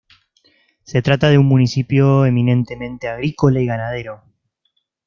Se trata de un municipio eminentemente agrícola y ganadero.